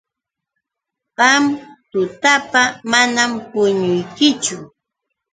Qam tutapa manam puñuykichu.